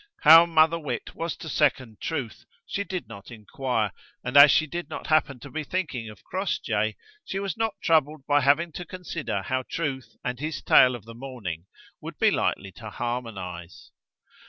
How mother wit was to second truth she did not inquire, and as she did not happen to be thinking of Crossjay, she was not troubled by having to consider how truth and his tale of the morning would be likely to harmonize.